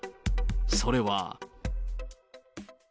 それは。